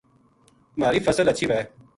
مھاری فصل ہچھی وھے